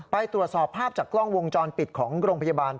ไปตรวจสอบภาพจากกล้องวงจรปิดของโรงพยาบาล